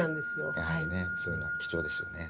やはりねそういうのは貴重ですよね。